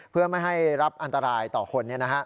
เพื่อไม่ให้รับอันตรายต่อคน